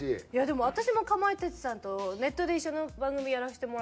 でも私もかまいたちさんとネットで一緒の番組やらせてもらってて。